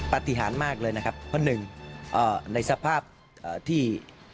ปฏิหารมากเลยนะครับเพราะหนึ่งในสภาพที่